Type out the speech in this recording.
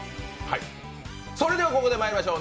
それではここでまいりましょう。